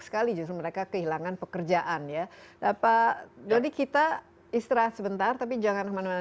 sekali justru mereka kehilangan pekerjaan ya dapat jadi kita istirahat sebentar tapi jangan kemana mana